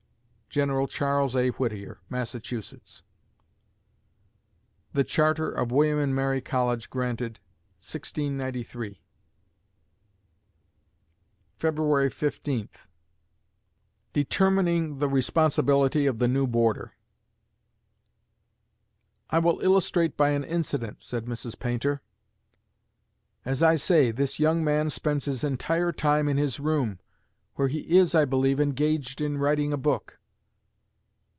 GENERAL CHARLES A. WHITTIER (Massachusetts) The charter of William and Mary College granted, 1693 February Fifteenth DETERMINING THE RESPONSIBILITY OF THE NEW BOARDER "I will illustrate by an incident," said Mrs. Paynter. "As I say, this young man spends his entire time in his room, where he is, I believe, engaged in writing a book."